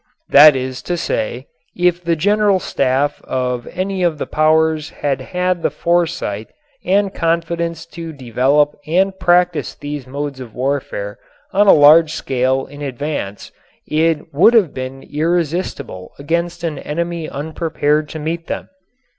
That is to say, if the general staff of any of the powers had had the foresight and confidence to develop and practise these modes of warfare on a large scale in advance it would have been irresistible against an enemy unprepared to meet them.